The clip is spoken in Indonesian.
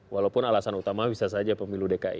walaupun alasan utama bisa saja pemilu dki